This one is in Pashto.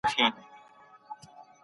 د پرمختيا لپاره کوم شرايط اړين دي؟